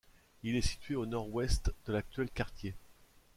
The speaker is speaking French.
Il est situé au nord-ouest de l'actuel quartier.